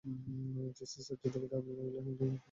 JC sir, যুদ্ধক্ষেত্রে আপনি না গেলে আমাদের কী হবে?